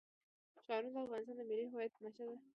ښارونه د افغانستان د ملي هویت نښه ده.